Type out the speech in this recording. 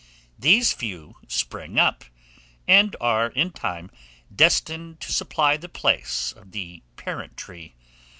These few spring up, and are, in time, destined to supply the place of the parent tree.